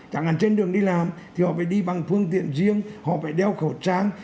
chẳng hạn trên đường đi làm thì họ phải đi bằng phương tiện riêng họ phải đeo khẩu trang